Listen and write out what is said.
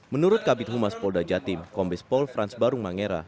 menurut kabit humas polda jatim kombes pol frans barung mangera